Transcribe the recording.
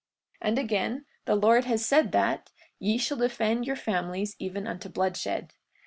43:47 And again, the Lord has said that: Ye shall defend your families even unto bloodshed.